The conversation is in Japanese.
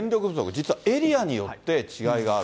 実はエリアによって、違いがある。